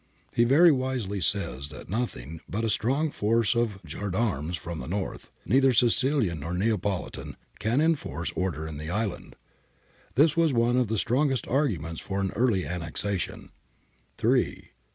He very wisely says that nothing but a strong force of gens d'armes from the North, ' neither Sicilian nor Neapolitan,' can enforce order in the island ; this was one of the strongest argu ments for an early annexation {Amari, ii.